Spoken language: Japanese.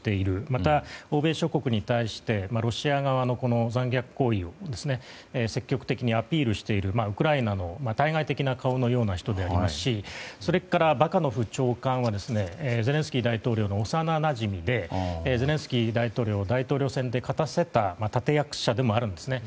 また、欧米諸国に対してロシア側の残虐行為を積極的にアピールしているウクライナの対外的な顔のような人でありますしそれから、バカノフ長官はゼレンスキー大統領の幼なじみでゼレンスキー大統領を大統領選で勝たせた立役者でもあるんですね。